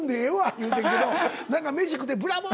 言うてんけど何か飯食うて「ブラボー！」